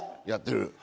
やってる。